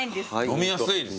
飲みやすいです